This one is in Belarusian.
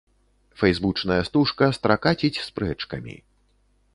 Фэйсбучная стужка стракаціць спрэчкамі.